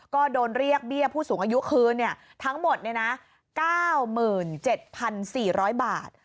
ก็โดนเรียกเบี้ยผู้สูงอายุคืนทั้งหมด๙๗๔๐๐บาท